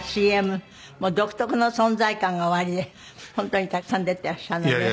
ＣＭ独特の存在感がおありで本当にたくさん出てらっしゃるのね。